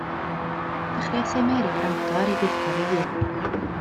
Dechreusai Mary wrando ar ei gwaethaf ei hun.